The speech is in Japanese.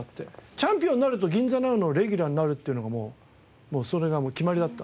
チャンピオンになると『ぎんざＮＯＷ！』のレギュラーになるっていうのがもうそれが決まりだったので。